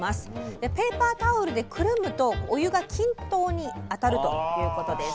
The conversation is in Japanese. でペーパータオルでくるむとお湯が均等にあたるということです